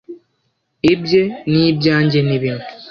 ibye n'ibyanjye ni bimwe.